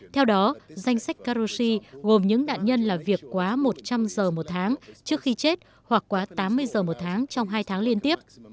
theo đó danh sách caroshi gồm những nạn nhân làm việc quá một trăm linh giờ một tháng trước khi chết hoặc quá tám mươi giờ một tháng trong hai tháng liên tiếp